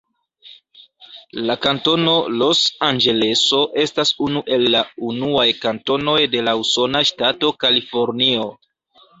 La kantono Los-Anĝeleso estas unu el la unuaj kantonoj de la usona ŝtato Kalifornio.